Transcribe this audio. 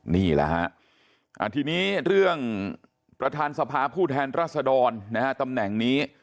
นี่แหละฮะทีนี้เรื่องประธานสภาผู้แทนรัศดรนะฮะตำแหน่งนี้